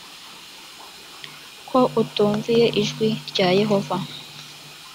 ko utumviye ijwi rya yehova